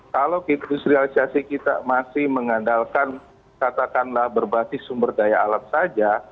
kalau industrialisasi kita masih mengandalkan katakanlah berbasis sumber daya alam saja